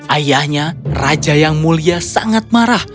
ayahnya raja yang mulia sangat marah